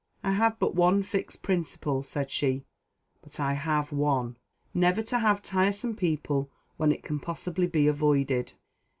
"I have but one fixed principle," said she, "but I have one, never to have tiresome people when it can possibly be avoided.